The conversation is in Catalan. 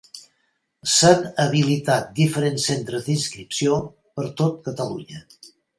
S'han habilitat diferents centres d'inscripció per tot Catalunya.